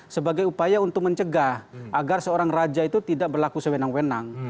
sebagai upaya untuk mencegah agar seorang raja itu tidak berlaku sewenang wenang